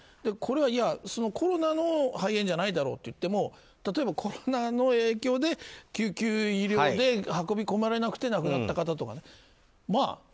これはコロナの肺炎じゃないだろうといっても例えばコロナの影響で救急医療で運び込まれなくて亡くなった方とかね。